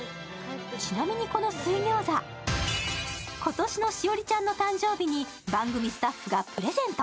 ちなみにこの水餃子、今年の栞里ちゃんの誕生日に番組スタッフがプレゼント。